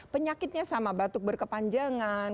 penyakitnya sama batuk berkepanjangan